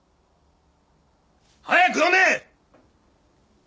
早く読め！